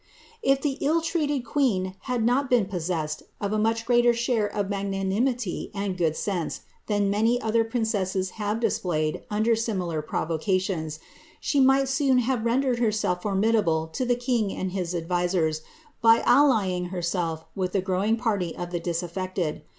*' If the ill treated queen had not been possessed of a much greater shsie of magnanimity and good sense than many other princesses have dii played under similar provocations, she might soon have rendered heiself formidable to the king and his advisers, by allying herself with die growing party of the disaffected.